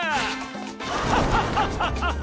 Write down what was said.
ハハハハハ！